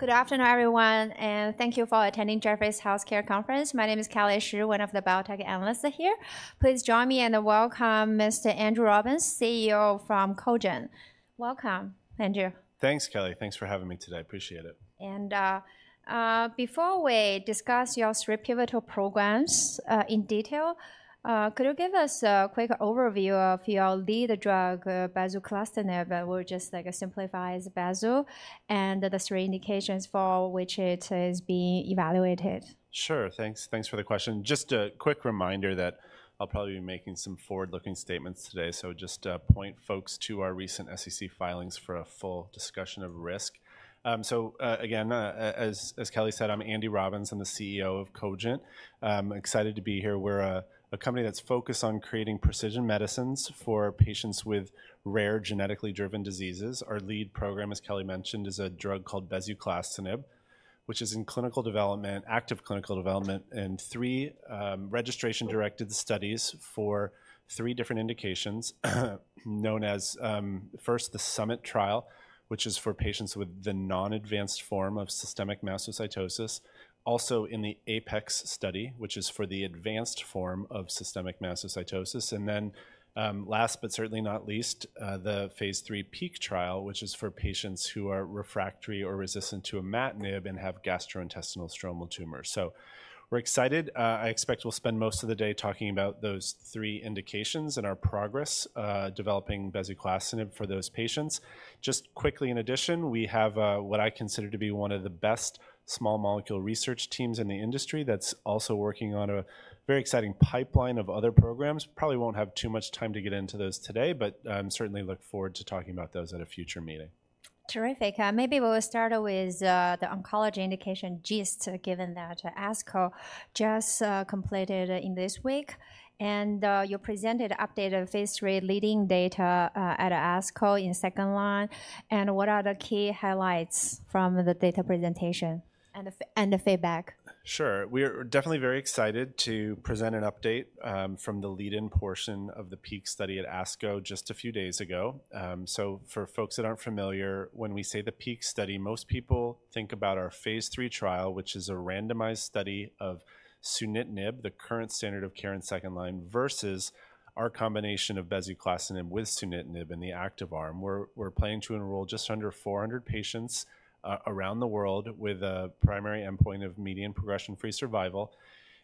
Good afternoon, everyone, and thank you for attending Jefferies Healthcare Conference. My name is Kelly Shi, one of the biotech analysts here. Please join me and welcome Mr. Andrew Robbins, CEO from Cogent. Welcome, Andrew. Thanks, Kelly. Thanks for having me today. Appreciate it. Before we discuss your three pivotal programs in detail, could you give us a quick overview of your lead drug, bezuclastinib, or just like a simplified bezu, and the three indications for which it is being evaluated? Sure. Thanks. Thanks for the question. Just a quick reminder that I'll probably be making some forward-looking statements today, so just to point folks to our recent SEC filings for a full discussion of risk. So, again, as Kelly said, I'm Andy Robbins. I'm the CEO of Cogent. I'm excited to be here. We're a company that's focused on creating precision medicines for patients with rare, genetically driven diseases. Our lead program, as Kelly mentioned, is a drug called bezuclastinib, which is in clinical development, active clinical development, in three registration-directed studies for three different indications, known as first, the SUMMIT trial, which is for patients with the non-advanced form of systemic mastocytosis. Also, in the APEX study, which is for the advanced form of systemic mastocytosis, and then, last but certainly not least, the Phase III PEAK trial, which is for patients who are refractory or resistant to imatinib and have gastrointestinal stromal tumor. So we're excited. I expect we'll spend most of the day talking about those three indications and our progress, developing bezuclastinib for those patients. Just quickly, in addition, we have, what I consider to be one of the best small molecule research teams in the industry that's also working on a very exciting pipeline of other programs. Probably won't have too much time to get into those today, but, certainly look forward to talking about those at a future meeting. Terrific. Maybe we will start with the oncology indication GIST, given that ASCO just completed this week, and you presented updated Phase III lead-in data at ASCO in second line. What are the key highlights from the data presentation and the feedback? Sure. We're definitely very excited to present an update from the lead-in portion of the PEAK study at ASCO just a few days ago. So for folks that aren't familiar, when we say the PEAK study, most people think about our Phase III trial, which is a randomized study of sunitinib, the current standard of care in second-line, versus our combination of bezuclastinib with sunitinib in the active arm. We're planning to enroll just under 400 patients around the world with a primary endpoint of median progression-free survival.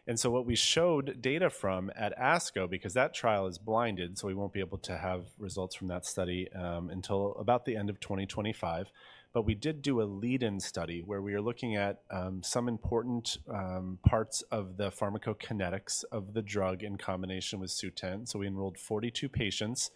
And so what we showed data from at ASCO, because that trial is blinded, so we won't be able to have results from that study until about the end of 2025. We did do a lead-in study where we are looking at some important parts of the pharmacokinetics of the drug in combination with Sutent. We enrolled 42 patients,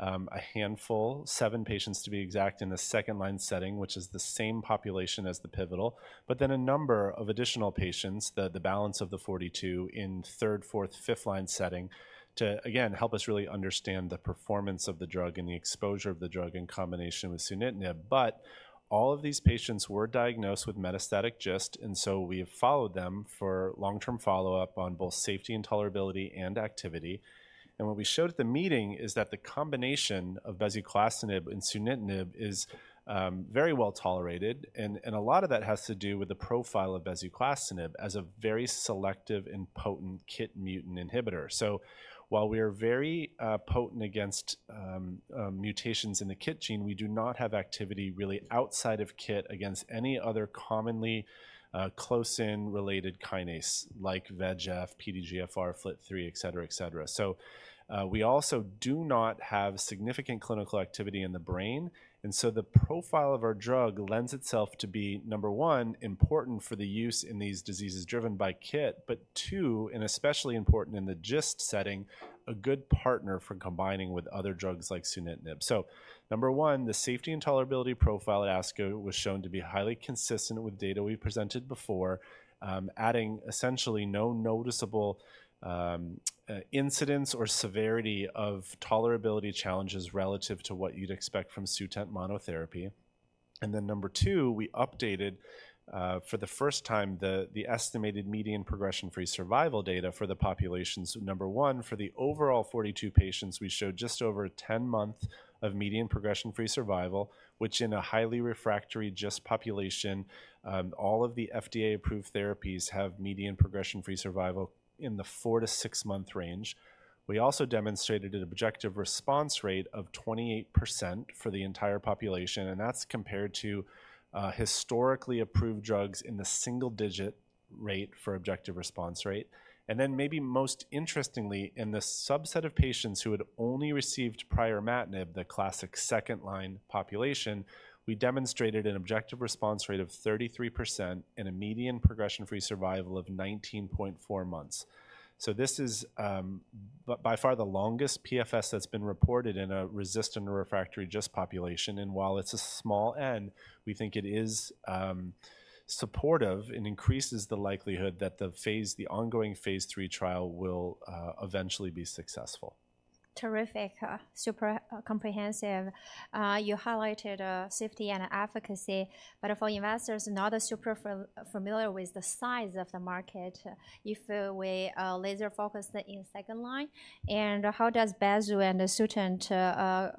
a handful, seven patients, to be exact, in the second-line setting, which is the same population as the pivotal, but then a number of additional patients, the balance of the 42, in third, fourth, fifth-line setting, to again help us really understand the performance of the drug and the exposure of the drug in combination with sunitinib. All of these patients were diagnosed with metastatic GIST, and so we followed them for long-term follow-up on both safety and tolerability and activity. What we showed at the meeting is that the combination of bezuclastinib and sunitinib is very well tolerated, and a lot of that has to do with the profile of bezuclastinib as a very selective and potent KIT mutant inhibitor. So while we are very potent against mutations in the KIT gene, we do not have activity really outside of KIT against any other commonly closely related kinase, like VEGF, PDGFR, FLT3, et cetera, etc. So we also do not have significant clinical activity in the brain, and so the profile of our drug lends itself to be, number one, important for the use in these diseases driven by KIT, but two, and especially important in the GIST setting, a good partner for combining with other drugs like sunitinib. So number one, the safety and tolerability profile at ASCO was shown to be highly consistent with data we presented before, adding essentially no noticeable incidence or severity of tolerability challenges relative to what you'd expect from Sutent monotherapy. And then number two, we updated for the first time, the estimated median progression-free survival data for the populations. Number one, for the overall 42 patients, we showed just over a 10-month median progression-free survival, which in a highly refractory GIST population, all of the FDA-approved therapies have median progression-free survival in the four to six-month range. We also demonstrated an objective response rate of 28% for the entire population, and that's compared to historically approved drugs in the single-digit rate for objective response rate. Then maybe most interestingly, in the subset of patients who had only received prior imatinib, the classic second-line population, we demonstrated an objective response rate of 33% and a median progression-free survival of 19.4 months. So this is by far the longest PFS that's been reported in a resistant or refractory GIST population, and while it's a small N, we think it is supportive and increases the likelihood that the ongoing Phase III trial will eventually be successful. Terrific, super comprehensive. You highlighted safety and efficacy, but for investors not super familiar with the size of the market, if we laser focus in second line, and how does Bezu and the Sutent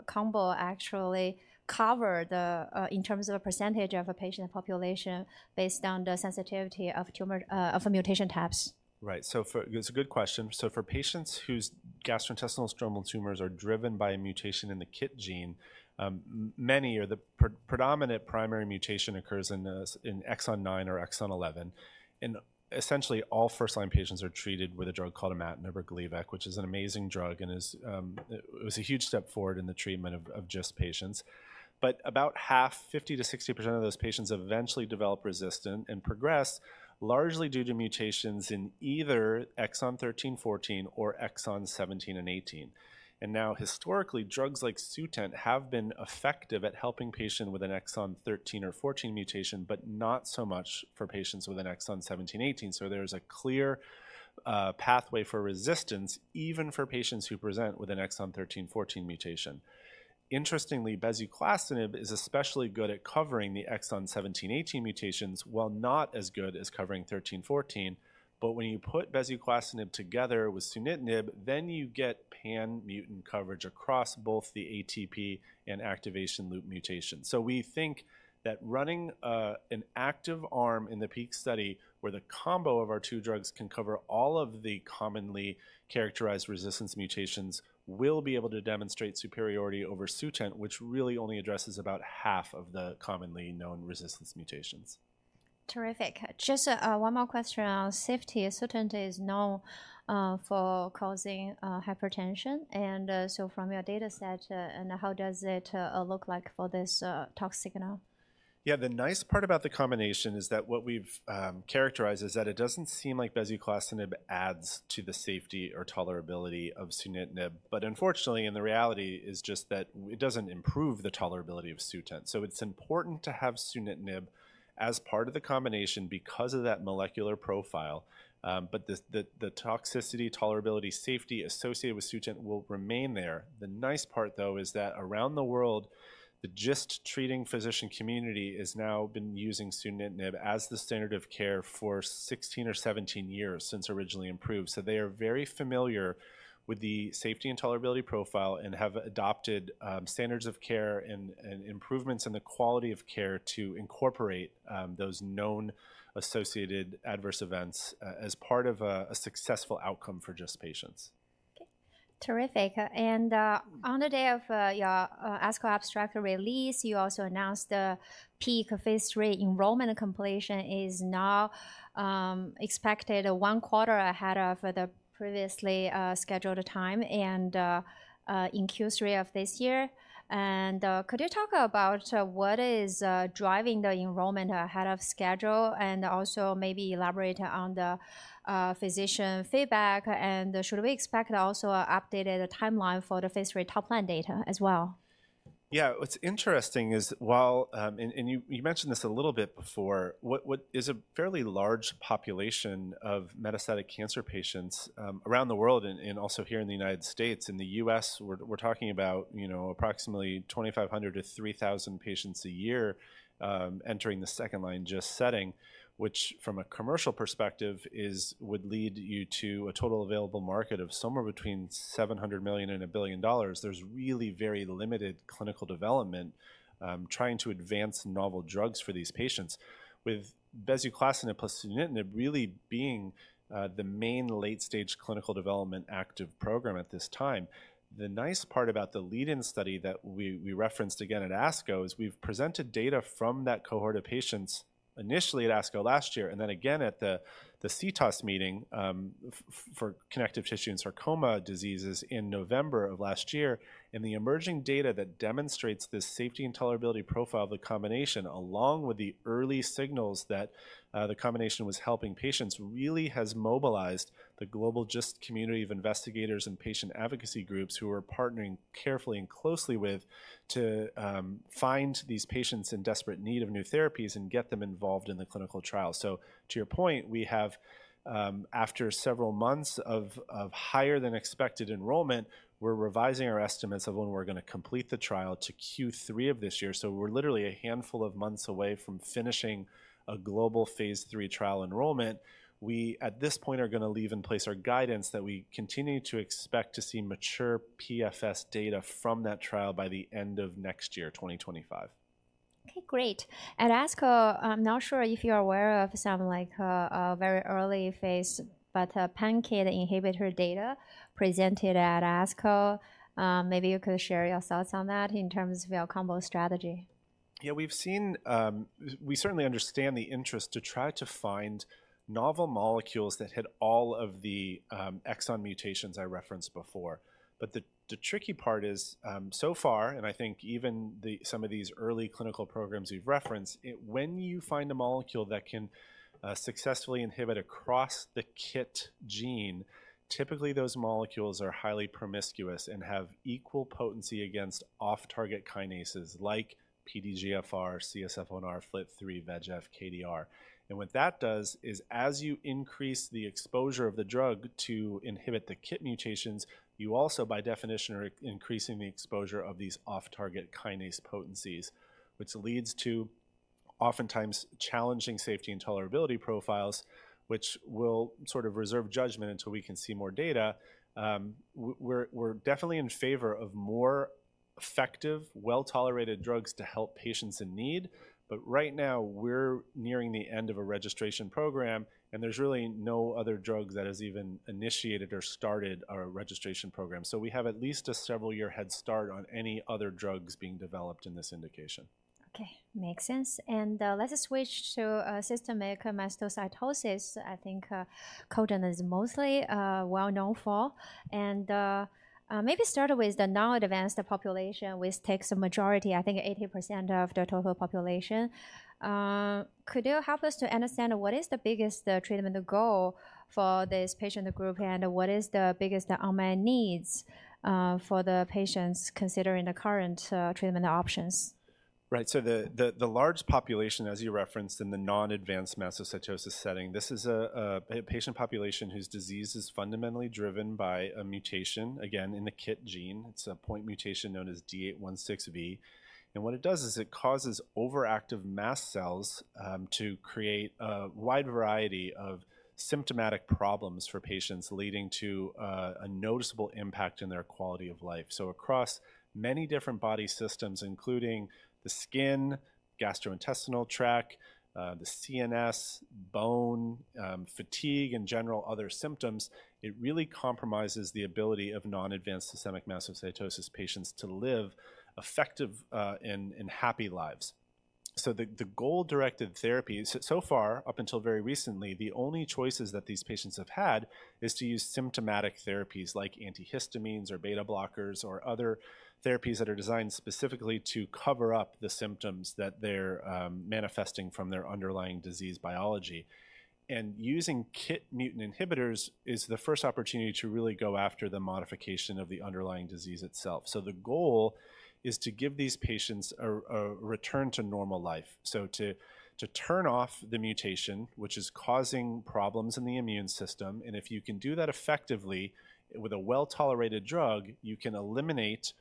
combo actually cover the in terms of a percentage of a patient population based on the sensitivity of tumor of mutation types? Right. So for, it's a good question. So for patients whose gastrointestinal stromal tumors are driven by a mutation in the KIT gene, many or the predominant primary mutation occurs in this, in exon 9 or exon 11. And essentially, all first-line patients are treated with a drug called imatinib or Gleevec, which is an amazing drug and is, it was a huge step forward in the treatment of GIST patients. But about half, 50%-60% of those patients eventually develop resistant and progress, largely due to mutations in either exon 13, 14 or exon 17 and 18. And now, historically, drugs like Sutent have been effective at helping patients with an exon 13 or 14 mutation, but not so much for patients with an exon 17, 18. So there's a clear pathway for resistance, even for patients who present with an Exon 13, 14 mutation. Interestingly, bezuclastinib is especially good at covering the Exon 17, 18 mutations, while not as good as covering 13, 14. But when you put bezuclastinib together with sunitinib, then you get pan-mutant coverage across both the ATP and activation loop mutation. So we think that running an active arm in the PEAK study, where the combo of our two drugs can cover all of the commonly characterized resistance mutations, will be able to demonstrate superiority over Sutent, which really only addresses about half of the commonly known resistance mutations. Terrific. Just one more question on safety. Sutent is known for causing hypertension, and so from your data set, and how does it look like for this toxic now? Yeah, the nice part about the combination is that what we've characterized is that it doesn't seem like bezuclastinib adds to the safety or tolerability of sunitinib. But unfortunately, and the reality is just that it doesn't improve the tolerability of Sutent. So it's important to have sunitinib as part of the combination because of that molecular profile, but the toxicity, tolerability, safety associated with Sutent will remain there. The nice part, though, is that around the world, the GIST-treating physician community has now been using sunitinib as the standard of care for 16 or 17 years, since originally approved. So they are very familiar with the safety and tolerability profile and have adopted standards of care and improvements in the quality of care to incorporate those known associated adverse events as part of a successful outcome for GIST patients. Okay. Terrific. On the day of your ASCO abstract release, you also announced the PEAK Phase III enrollment completion is now expected one quarter ahead of the previously scheduled time and in Q3 of this year. Could you talk about what is driving the enrollment ahead of schedule, and also maybe elaborate on the physician feedback? Should we expect also an updated timeline for the Phase III top-line data as well? Yeah, what's interesting is while, and, and you, you mentioned this a little bit before, what, what is a fairly large population of metastatic cancer patients, around the world and, and also here in the United States. In the U.S., we're, we're talking about, you know, approximately 2,500-3,000 patients a year, entering the second-line GIST setting, which, from a commercial perspective, is—would lead you to a total available market of somewhere between $700 million and $1 billion. There's really very limited clinical development, trying to advance novel drugs for these patients. With bezuclastinib plus sunitinib really being the main late-stage clinical development active program at this time, the nice part about the lead-in study that we referenced again at ASCO is we've presented data from that cohort of patients initially at ASCO last year, and then again at the CTOS meeting for connective tissue and sarcoma diseases in November of last year. The emerging data that demonstrates this safety and tolerability profile of the combination, along with the early signals that the combination was helping patients, really has mobilized the global GIST community of investigators and patient advocacy groups who we're partnering carefully and closely with to find these patients in desperate need of new therapies and get them involved in the clinical trial. So to your point, we have, after several months of, of higher-than-expected enrollment, we're revising our estimates of when we're gonna complete the trial to Q3 of this year. So we're literally a handful of months away from finishing a global phase III trial enrollment. We, at this point, are gonna leave in place our guidance that we continue to expect to see mature PFS data from that trial by the end of next year, 2025. Okay, great. At ASCO, I'm not sure if you're aware of some, like, a very early phase, but, pan-KIT inhibitor data presented at ASCO. Maybe you could share your thoughts on that in terms of your combo strategy. Yeah, we've seen. We certainly understand the interest to try to find novel molecules that hit all of the exon mutations I referenced before. But the tricky part is, so far, and I think even some of these early clinical programs you've referenced, when you find a molecule that can successfully inhibit across the KIT gene, typically, those molecules are highly promiscuous and have equal potency against off-target kinases like PDGFR, CSF1R, FLT3, VEGF, KDR. And what that does is, as you increase the exposure of the drug to inhibit the KIT mutations, you also, by definition, are increasing the exposure of these off-target kinase potencies, which leads to oftentimes challenging safety and tolerability profiles, which we'll sort of reserve judgment until we can see more data. We're definitely in favor of more effective, well-tolerated drugs to help patients in need. But right now, we're nearing the end of a registration program, and there's really no other drug that has even initiated or started a registration program. So we have at least a several-year head start on any other drugs being developed in this indication. Okay, makes sense. And, let us switch to systemic mastocytosis. I think Cogent is mostly well known for. And, maybe start with the non-advanced population, which takes a majority, I think, 80% of the total population. Could you help us to understand what is the biggest treatment goal for this patient group, and what is the biggest unmet needs for the patients considering the current treatment options? Right. So the large population, as you referenced, in the non-advanced mastocytosis setting, this is a patient population whose disease is fundamentally driven by a mutation, again, in the KIT gene. It's a point mutation known as D816V. And what it does is it causes overactive mast cells to create a wide variety of symptomatic problems for patients, leading to a noticeable impact in their quality of life. So across many different body systems, including the skin, gastrointestinal tract, the CNS, bone, fatigue, and general other symptoms, it really compromises the ability of non-advanced systemic mastocytosis patients to live effective, and happy lives. So the goal-directed therapy so far, up until very recently, the only choices that these patients have had is to use symptomatic therapies like antihistamines or beta blockers or other therapies that are designed specifically to cover up the symptoms that they're manifesting from their underlying disease biology. And using KIT mutant inhibitors is the first opportunity to really go after the modification of the underlying disease itself. So the goal is to give these patients a return to normal life. So to turn off the mutation, which is causing problems in the immune system, and if you can do that effectively with a well-tolerated drug, you can eliminate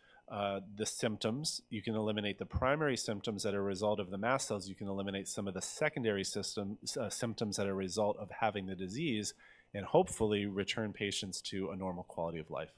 the symptoms. You can eliminate the primary symptoms that are a result of the mast cells. You can eliminate some of the secondary systemic symptoms that are a result of having the disease, and hopefully return patients to a normal quality of life.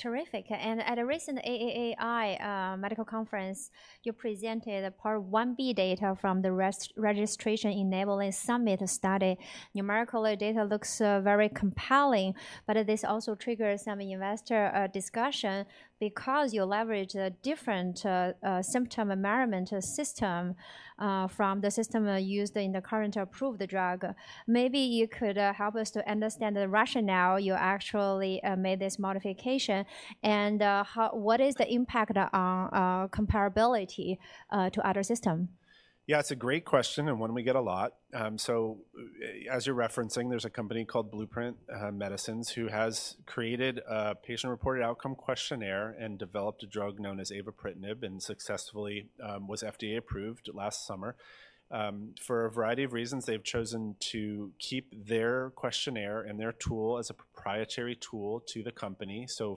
Terrific. At a recent AAAAI medical conference, you presented a Part 1B data from the registration enabling SUMMIT study. Numerical data looks very compelling, but this also triggers some investor discussion because you leverage a different symptom measurement system from the system used in the current approved drug. Maybe you could help us to understand the rationale you actually made this modification, and how, what is the impact on comparability to other system? Yeah, it's a great question, and one we get a lot. So as you're referencing, there's a company called Blueprint Medicines, who has created a patient-reported outcome questionnaire and developed a drug known as avapritinib, and successfully was FDA approved last summer. For a variety of reasons, they've chosen to keep their questionnaire and their tool as a proprietary tool to the company. So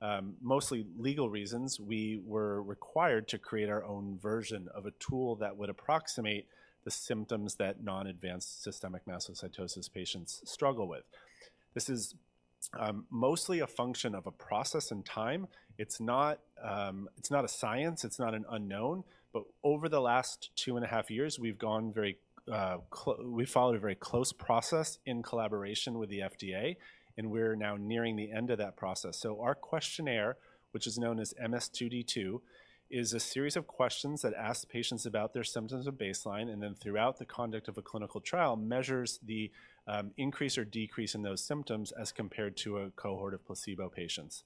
for mostly legal reasons, we were required to create our own version of a tool that would approximate the symptoms that non-advanced Systemic Mastocytosis patients struggle with. This is mostly a function of a process and time. It's not, it's not a science, it's not an unknown, but over the last two and a half years, we've gone very, we've followed a very close process in collaboration with the FDA, and we're now nearing the end of that process. So our questionnaire, which is known as MS2D2, is a series of questions that ask patients about their symptoms at baseline, and then throughout the conduct of a clinical trial, measures the, increase or decrease in those symptoms as compared to a cohort of placebo patients.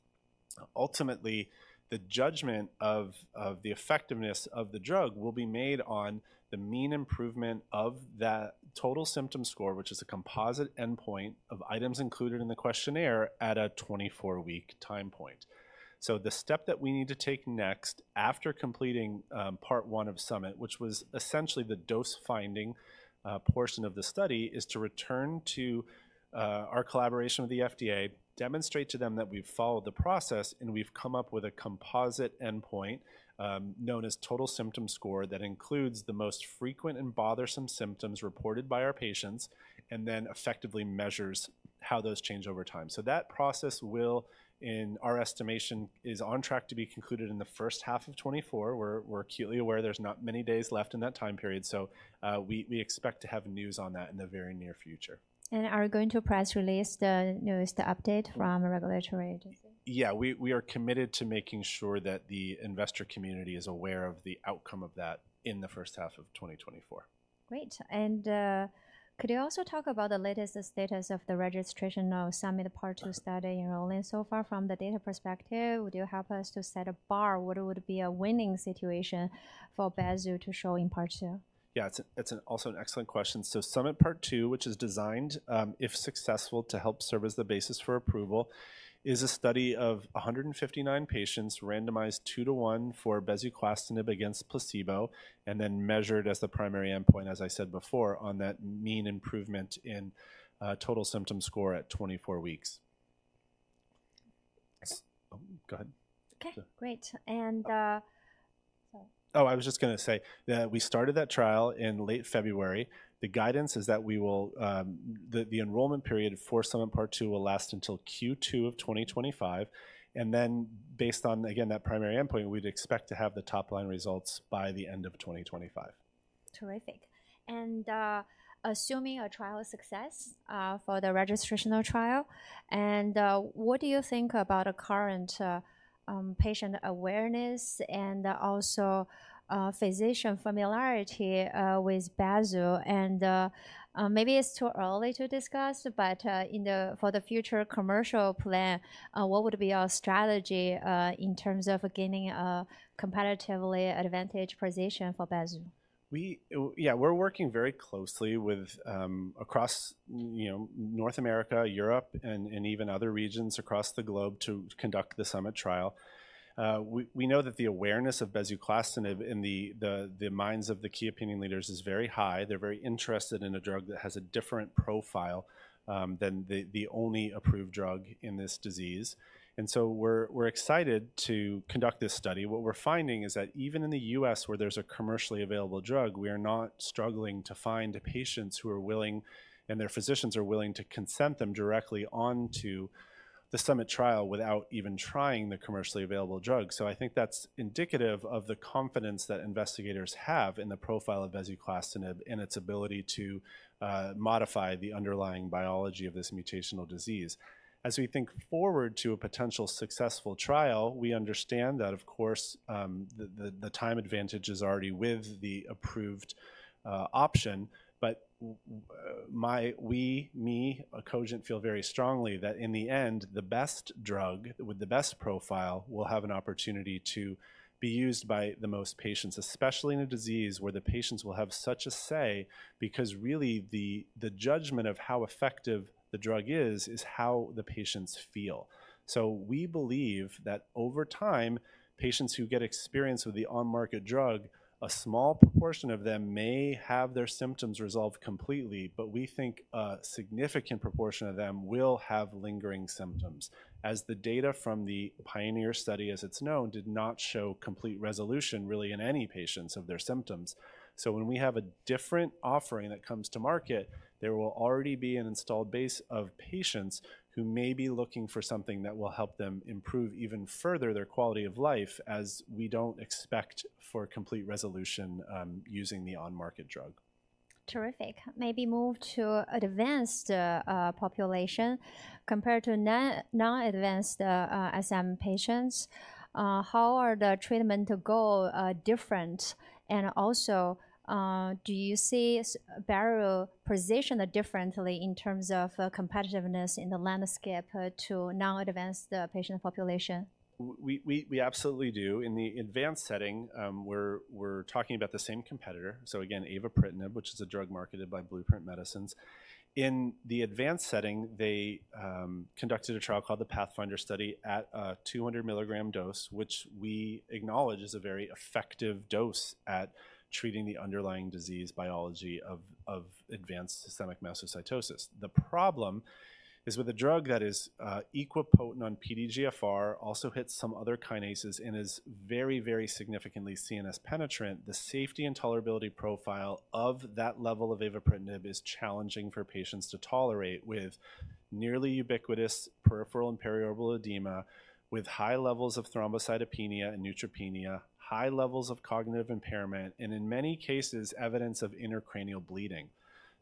Ultimately, the judgment of, of the effectiveness of the drug will be made on the mean improvement of that Total Symptom Score, which is a composite endpoint of items included in the questionnaire at a 24-week time point. So the step that we need to take next, after completing, Part 1 of SUMMIT, which was essentially the dose-finding, portion of the study, is to return to, our collaboration with the FDA, demonstrate to them that we've followed the process, and we've come up with a composite endpoint, known as Total Symptom Score, that includes the most frequent and bothersome symptoms reported by our patients, and then effectively measures how those change over time. So that process will, in our estimation, is on track to be concluded in the first half of 2024. We're acutely aware there's not many days left in that time period, so, we expect to have news on that in the very near future. Are you going to press release the newest update from a regulatory agency? Yeah, we, we are committed to making sure that the investor community is aware of the outcome of that in the first half of 2024. Great. And, could you also talk about the latest status of the registration of SUMMIT Part 2 study enrollment so far from the data perspective? Would you help us to set a bar, what would be a winning situation for bezu to show in Part 2? Yeah, it's also an excellent question. So SUMMIT Part 2, which is designed, if successful, to help serve as the basis for approval, is a study of 159 patients randomized 2-to-1 for bezuclastinib against placebo, and then measured as the primary endpoint, as I said before, on that mean improvement in Total Symptom Score at 24 weeks. Oh, go ahead. Okay, great. Oh, I was just gonna say that we started that trial in late February. The guidance is that the enrollment period for SUMMIT Part II will last until Q2 of 2025, and then based on, again, that primary endpoint, we'd expect to have the top-line results by the end of 2025. Terrific. And, assuming a trial success, for the registrational trial, and, what do you think about a current, patient awareness and, also, physician familiarity, with bezuclastinib? And, maybe it's too early to discuss, but, in the, for the future commercial plan, what would be your strategy, in terms of gaining a competitively advantaged position for bezuclastinib? Yeah, we're working very closely with across, you know, North America, Europe, and even other regions across the globe to conduct the SUMMIT trial. We know that the awareness of bezuclastinib in the minds of the key opinion leaders is very high. They're very interested in a drug that has a different profile than the only approved drug in this disease. And so we're excited to conduct this study. What we're finding is that even in the U.S., where there's a commercially available drug, we are not struggling to find patients who are willing, and their physicians are willing to consent them directly onto the SUMMIT trial without even trying the commercially available drug. So I think that's indicative of the confidence that investigators have in the profile of bezuclastinib and its ability to modify the underlying biology of this mutational disease. As we think forward to a potential successful trial, we understand that, of course, the time advantage is already with the approved option. But Cogent feel very strongly that in the end, the best drug with the best profile will have an opportunity to be used by the most patients, especially in a disease where the patients will have such a say, because really, the judgment of how effective the drug is, is how the patients feel. So we believe that over time, patients who get experience with the on-market drug, a small proportion of them may have their symptoms resolved completely, but we think a significant proportion of them will have lingering symptoms, as the data from the PIONEER study, as it's known, did not show complete resolution really in any patients of their symptoms. So when we have a different offering that comes to market, there will already be an installed base of patients who may be looking for something that will help them improve even further their quality of life, as we don't expect for complete resolution, using the on-market drug. Terrific. Maybe move to advanced population. Compared to non-advanced SM patients, how are the treatment goal different? And also, do you see bezuclastinib positioned differently in terms of competitiveness in the landscape to non-advanced patient population? We absolutely do. In the advanced setting, we're talking about the same competitor. So again, avapritinib, which is a drug marketed by Blueprint Medicines. In the advanced setting, they conducted a trial called the PATHFINDER study at a 200 milligram dose, which we acknowledge is a very effective dose at treating the underlying disease biology of advanced systemic mastocytosis. The problem is with a drug that is equipotent on PDGFR, also hits some other kinases and is very, very significantly CNS penetrant, the safety and tolerability profile of that level of avapritinib is challenging for patients to tolerate, with nearly ubiquitous peripheral and periorbital edema, with high levels of thrombocytopenia and neutropenia, high levels of cognitive impairment, and in many cases, evidence of intracranial bleeding.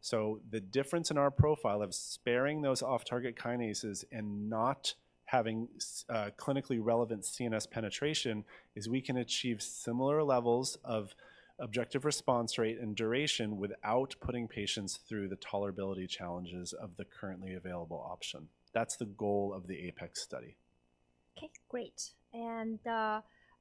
So the difference in our profile of sparing those off-target kinases and not having clinically relevant CNS penetration, is we can achieve similar levels of objective response rate and duration without putting patients through the tolerability challenges of the currently available option. That's the goal of the APEX study. Okay, great. And,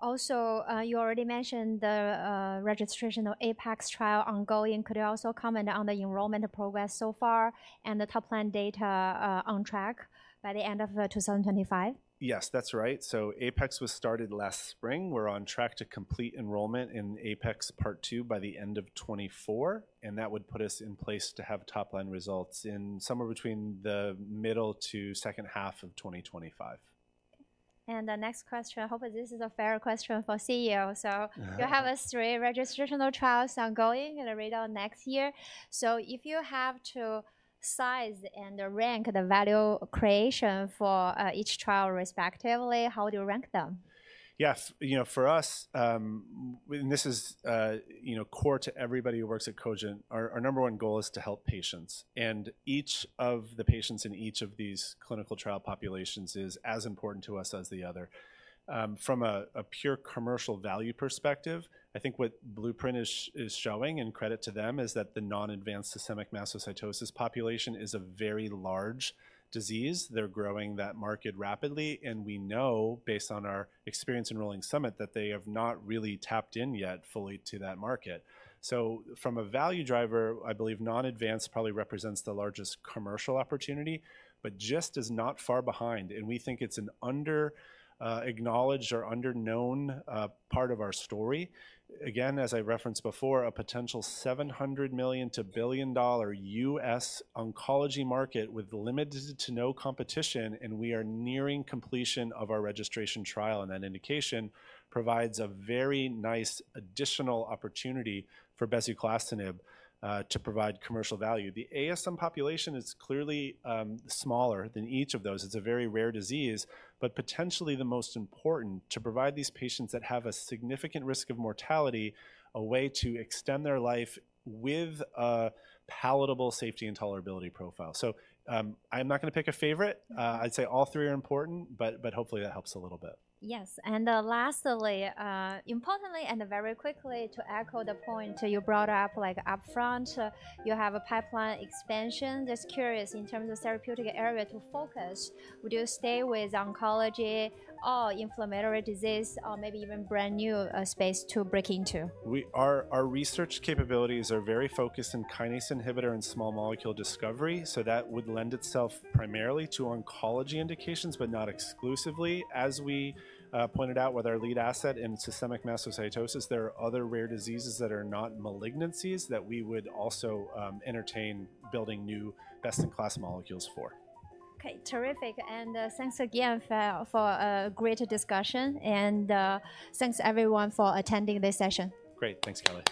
also, you already mentioned the registrational APEX trial ongoing. Could you also comment on the enrollment progress so far and the top-line data on track by the end of 2025? Yes, that's right. APEX was started last spring. We're on track to complete enrollment in APEX Part II by the end of 2024, and that would put us in place to have top-line results in somewhere between the middle to second half of 2025. The next question, I hope this is a fair question for CEO. So you have a three registrational trials ongoing, and a readout next year. So if you have to size and rank the value creation for, each trial respectively, how would you rank them? Yes. You know, for us, and this is, you know, core to everybody who works at Cogent, our, our number one goal is to help patients. And each of the patients in each of these clinical trial populations is as important to us as the other. From a pure commercial value perspective, I think what Blueprint is showing, and credit to them, is that the non-advanced systemic mastocytosis population is a very large disease. They're growing that market rapidly, and we know, based on our experience enrolling SUMMIT, that they have not really tapped in yet fully to that market. So from a value driver, I believe non-advanced probably represents the largest commercial opportunity, but just as not far behind, and we think it's an under acknowledged or underknown part of our story. Again, as I referenced before, a potential $700 million-$1 billion U.S. oncology market with limited to no competition, and we are nearing completion of our registration trial, and that indication provides a very nice additional opportunity for bezuclastinib to provide commercial value. The ASM population is clearly smaller than each of those. It's a very rare disease, but potentially the most important to provide these patients that have a significant risk of mortality, a way to extend their life with a palatable safety and tolerability profile. So, I'm not gonna pick a favorite. I'd say all three are important, but, but hopefully, that helps a little bit. Yes, and lastly, importantly, and very quickly, to echo the point you brought up, like, upfront, you have a pipeline expansion. Just curious, in terms of therapeutic area to focus, would you stay with oncology or inflammatory disease, or maybe even brand-new space to break into? Our research capabilities are very focused in kinase inhibitor and small molecule discovery, so that would lend itself primarily to oncology indications, but not exclusively. As we pointed out with our lead asset in Systemic Mastocytosis, there are other rare diseases that are not malignancies that we would also entertain building new best-in-class molecules for. Okay, terrific. And, thanks again for great discussion. And, thanks everyone for attending this session. Great. Thanks, Kelly.